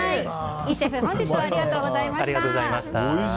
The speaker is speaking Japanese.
イシェフ本日はありがとうございました。